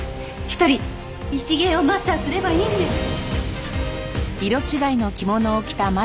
一人一芸をマスターすればいいんです。